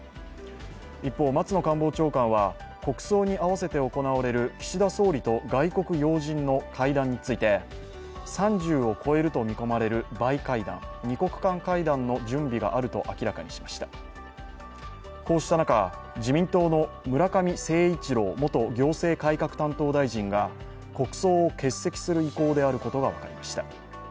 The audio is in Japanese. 一方、松野官房長官は国葬に合わせて行われる岸田総理と外国要人の会談について３０を超えると見込まれるバイ会談＝二国間会談のこうした中、自民党の村上誠一郎元行政改革担当大臣が国葬を欠席する意向であることが分かりました。